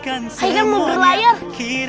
aiko mau berlayar